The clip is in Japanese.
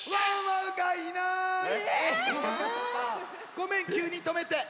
ごめんきゅうにとめて。